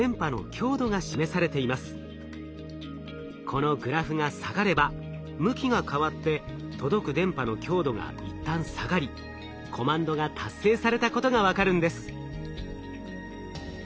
このグラフが下がれば向きが変わって届く電波の強度が一旦下がりコマンドが達成されたことが分かるんです。